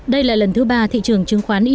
đây là lần thứ ba thị trường chứng khoán indonesia